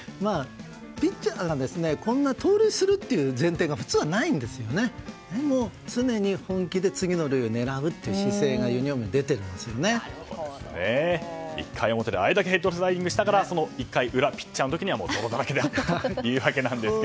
ピッチャーが盗塁するという前提がでも、常に本気で次の塁を狙う姿勢が１回表であれだけヘッドスライディングをしたから、１回裏ピッチャーの時には泥だらけであったというわけです。